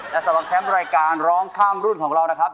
และสำหรับแชมป์รายการร้องข้ามรุ่นของเรานะครับ